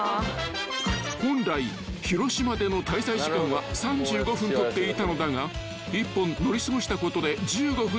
［本来広島での滞在時間は３５分取っていたのだが１本乗り過ごしたことで１５分のロス］